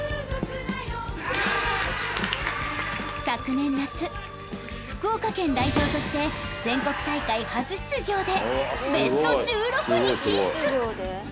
昨年夏福岡県代表として全国大会初出場でベスト１６に進出！